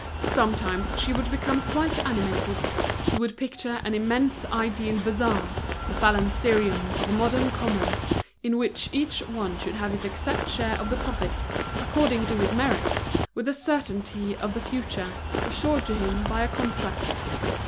Sometimes she would become quite animated, she would picture an immense ideal bazaar, the phalansterium of modern commerce, in which each one should have his exact share of the profits, according to his merits, with the certainty of the future, assured to him by a contract.